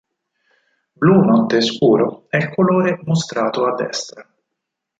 Blu notte scuro è il colore mostrato a destra.